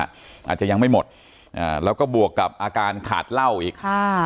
อาจจะยังไม่หมดแล้วก็บวกกับอาการขาดเหล้าอีก